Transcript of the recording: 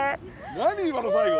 何今の最後。